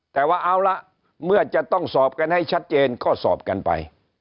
แต่ว่าเอาละเมื่อจะต้องสอบกันให้ชัดเจนก็สอบกันไป